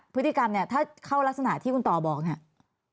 พฤติกรรมเนี่ยถ้าเข้ารักษณะที่คุณต่อบอกเนี่ย